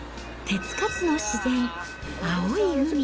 手付かずの自然、青い海。